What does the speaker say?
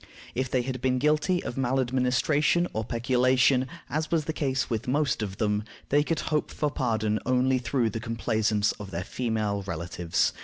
If they had been guilty of maladministration or peculation, as was the case with most of them, they could hope for pardon only through the complaisance of their female relatives.